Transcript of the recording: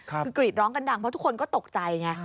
คือกรีดร้องกันดังเพราะทุกคนก็ตกใจไง